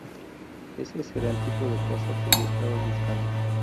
Ese era el tipo de cosa que yo estaba buscando.